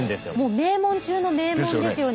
名門中の名門ですよね。